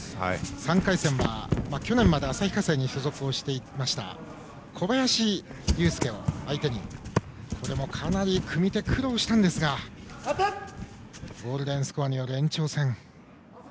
３回戦は去年まで旭化成に所属をしていました小林悠輔を相手に、これもかなり組み手、苦労したんですがゴールデンスコアによる延長戦。